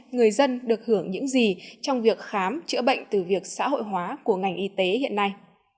người dân được hưởng những gì trong việc khám chữa bệnh từ việc xã hội hóa của ngành y tế hiện nay